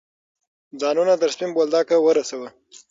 ځانونه تر سپین بولدکه ورسوه.